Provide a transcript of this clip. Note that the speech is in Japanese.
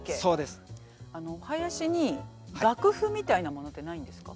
あのお囃子に楽譜みたいなものってないんですか。